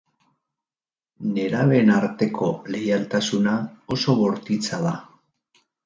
Nerabeen arteko leialtasuna oso bortitza da.